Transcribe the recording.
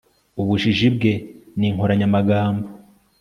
ubujiji bwe ni inkoranyamagambo